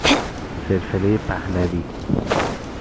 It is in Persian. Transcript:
سلسلهُ پهلوی